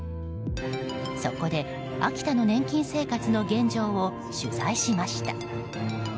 そこで、秋田の年金生活の現状を取材しました。